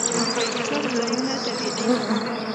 څړځایونه طبیعي دي.